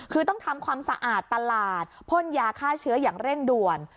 คือต้องทำความสะอาดตลาดพ่นยาฆ่าเชื้ออย่างเร่งด่วน